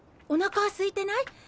おなか空いてない？